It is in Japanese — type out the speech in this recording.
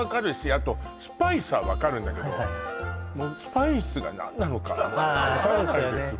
あとスパイスは分かるんだけどスパイスが何なのかはもう分かんないです